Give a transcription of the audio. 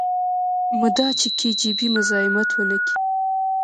مدا چې کي جي بي مزايمت ونکي.